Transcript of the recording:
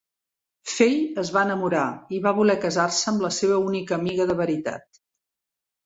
Fei es va enamorar i va voler casar-se amb la seva única amiga de veritat.